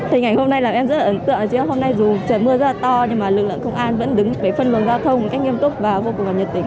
thì hình ảnh hôm nay làm em rất là ấn tượng chứ hôm nay dù trời mưa rất là to nhưng mà lực lượng công an vẫn đứng với phân luận giao thông một cách nghiêm túc và vô cùng là nhiệt tình